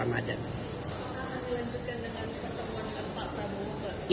akan dilanjutkan dengan pertemuan dengan pak prabowo